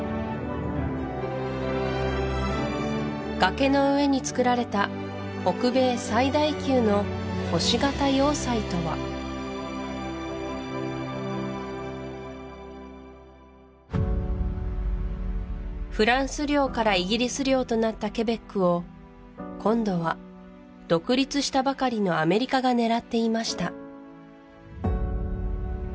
崖の上につくられた北米最大級の星形要塞とはフランス領からイギリス領となったケベックを今度は独立したばかりのアメリカが狙っていました